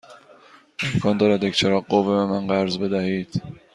امکان دارد یک چراغ قوه به من قرض بدهید؟